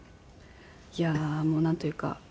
いやもうなんというか。